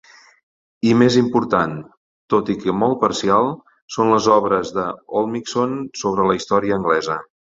I més important, tot i que molt parcial, són les obres de Oldmixon sobre la història anglesa.